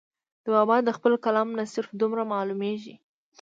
د بابا د خپل کلام نه صرف دومره معلوميږي